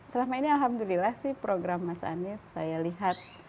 selama ini alhamdulillah sih program mas anies saya lihat